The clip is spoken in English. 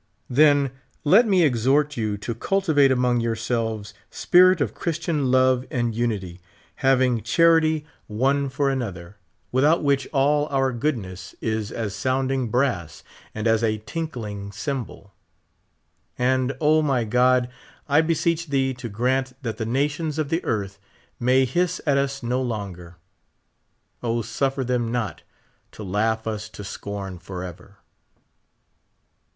Then let me exhort you to cultivate among yourselves spirit of Chri.Btian love and unity, having charity one for y 66 anotlipr. without which all our goodness is as soundinor inj.v^s aiul as a tinkling cj'mbal. And, O my God. I 1)C seeeh tlice to grant that the nations of the earth may hins at ns no longer. O, snffer them not to laugh us to scorn forever.